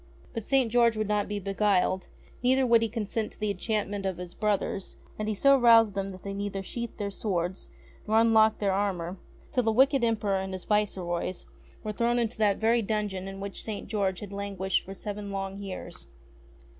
But St. George would not be beguiled ; neither would he consent to the enchantment of his brothers ; and he so roused them that they never sheathed their swords nor unlocked their armour till the wicked Emperor and his viceroys were thrown into that very dungeon in which St. George had languished for seven long years.